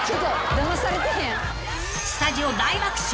［スタジオ大爆笑！］